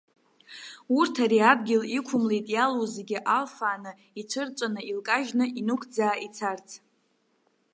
Урҭ ари адгьыл иқәымлеит иалоу зегьы алфааны, ицәырҵәаны илкажьны, инықәӡаа ицарц.